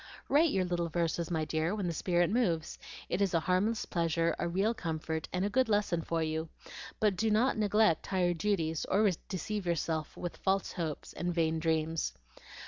Write your little verses, my dear, when the spirit moves, it is a harmless pleasure, a real comfort, and a good lesson for you; but do not neglect higher duties or deceive yourself with false hopes and vain dreams.